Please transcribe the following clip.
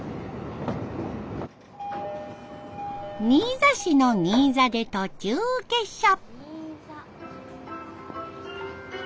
新座市の新座で途中下車。